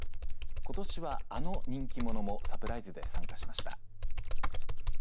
ことしは、あの人気者もサプライズで参加しました。